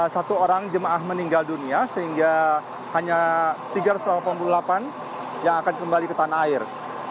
satu orang jemaah meninggal dunia sehingga hanya tiga ratus delapan puluh delapan yang akan kembali ke tanah air